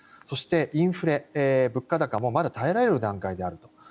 そしてインフレ、物価高もまだ耐えられる段階であると。